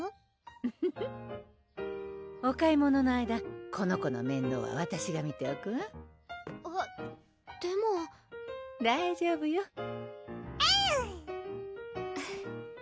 フフフお買い物の間この子の面倒はわたしが見ておくわえっでも大丈夫よえるぅ！